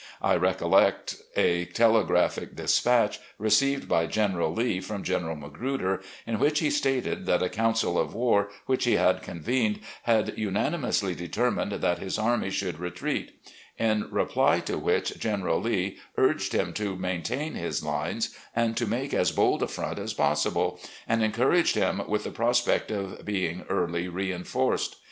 I recollect a telegraphic despatch received by General Lee from General Magruder, in which he stated that a council of war which he had convened had unanimously determined that his army should retreat, in reply to which General Lee urged him to maintain his lines, and to make as bold a front as possible, and encouraged him with the prospect of being early reinforced.